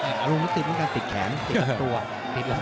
อารมณ์ติดเหมือนกันติดแขนติดตัว